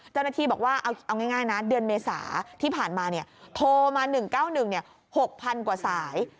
เจ้าหน้าที่บอกว่าเอาง่ายนะเดือนเมษาที่ผ่านมาโทรมา๑๙๑๖๐๐๐กว่าสาย